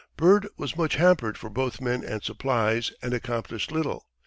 Byrd was much hampered for both men and supplies, and accomplished little.